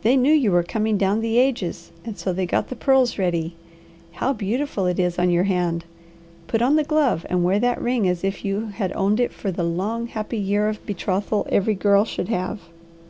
They knew you were coming down the ages, and so they got the pearls ready. How beautiful it is on your hand! Put on the glove and wear that ring as if you had owned it for the long, happy year of betrothal every girl should have.